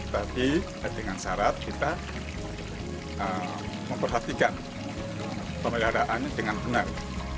tapi dengan syarat kita memperhatikan pemeliharaannya dengan benar